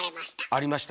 ありました。